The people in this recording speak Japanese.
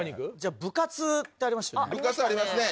「部活」ありますね。